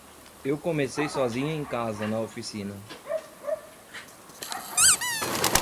Eu comecei sozinho em casa na oficina.